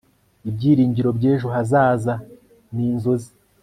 Ibyiringiro byejo hazaza ninzozi